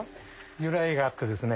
由来があってですね